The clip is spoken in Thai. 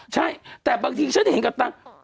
ใช่แต่บางทีฉันเห็นตั๊ง